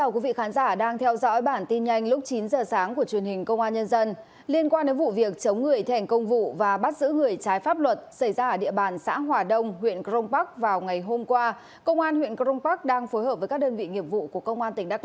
cảm ơn các bạn đã theo dõi